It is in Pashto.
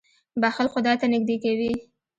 • بښل خدای ته نېږدې کوي.